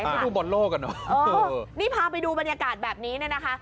ไม่ดูบนโลกกันอ่ะเออนี่พาไปดูบรรยากาศแบบนี้นี่นะคะ